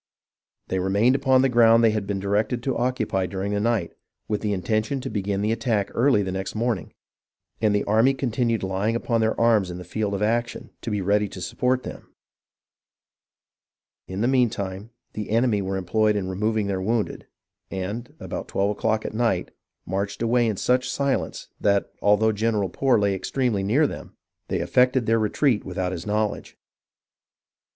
They remained upon the ground they had been directed to occupy during the night, with the intention to begin the attack early the next morning ; and the army continued lying upon their arms in the field of action, to be ready to support them ; in the meantime, the enemy were era ployed in removing their wounded, and, about twelve o'clock at night, marched away in such silence, that, although General Poor lay extremely near them, they effected their retreat without his knowledge.